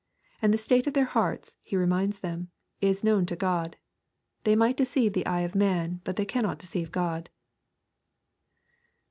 And the state of their hearts, He reminds them, is known to God. They might de ceive the eye of man, but they could not deceive Grod.